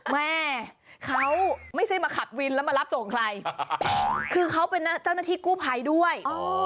แม่เขาไม่ใช่มาขับวินแล้วมารับส่งใครคือเขาเป็นเจ้าหน้าที่กู้ภัยด้วย